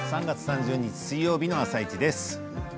３月３０日水曜日の「あさイチ」です。